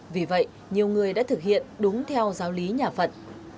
vì vậy nhiều người đã thực hiện đúng theo giáo lý nhà phật